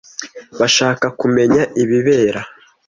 Bashaka kumenya ibibera.